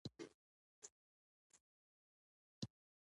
دغه واکمنان د ټولنې له ولسي بنسټونو سره په تقابل کې وو.